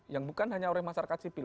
yang bukan hanya oleh masyarakat sipil